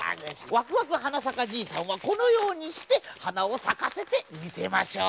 ワクワクはなさかじいさんはこのようにしてはなをさかせてみせましょう。